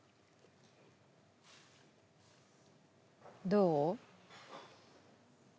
どう？